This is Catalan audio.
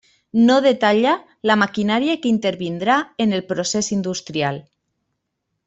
No detalla la maquinària que intervindrà en el procés industrial.